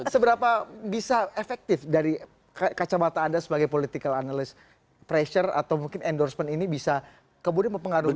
seberapa bisa efektif dari kacamata anda sebagai political analyst pressure atau mungkin endorsement ini bisa kemudian mempengaruhi